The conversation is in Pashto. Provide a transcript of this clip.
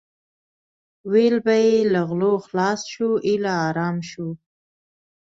ویل به یې له غلو خلاص شو ایله ارام شو.